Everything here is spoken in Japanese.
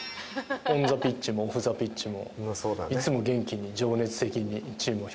オンザピッチもオフザピッチもいつも元気に情熱的にチームを引っ張ってるところ。